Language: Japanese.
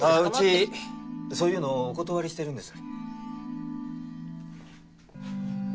うちそういうのお断りしてるんです。